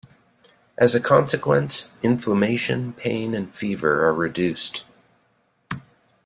As a consequence, inflammation, pain and fever are reduced.